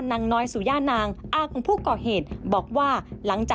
เพราะเขารักสิ่งเรียกแบบนี้